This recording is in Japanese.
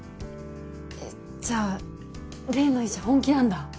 えじゃ例の医者本気なんだ。